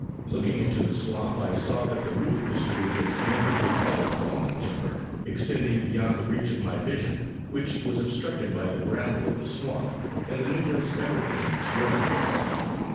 Looking into the swamp, I saw that the root of this tree was connected with other fallen timber, extending beyond the reach of my vision, which was obstructed by the bramble of the swamp, and the numerous evergreens growing here.